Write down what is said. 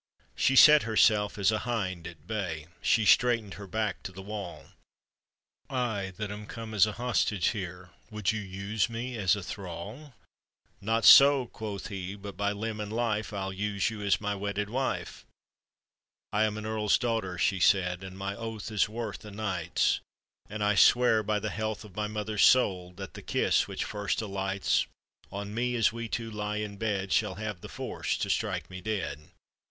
She set herself as a hind at bay, She straightened her back to the wall ; "I that am come as a hostage here, Would you use me as a thrall?" " Not so," quoth he, "but by limb and life, I'll use you as my wedded wife." "I am an earl's daughter," she said, "And my oath is worth a knight's, And I swear by the health of my mother's soul, •That the kiss which first alights On me as we two lie in bed, Shall have the force to strike me dead."